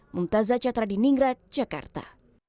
mumtazah catra di ningrat jakarta